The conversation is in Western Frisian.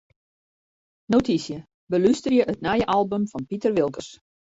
Notysje: Belústerje it nije album fan Piter Wilkens.